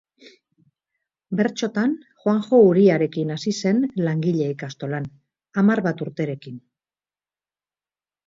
Bertsotan Juanjo Uriarekin hasi zen Langile ikastolan, hamar bat urterekin.